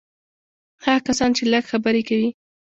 هغه کسان چې لږ خبرې کوي.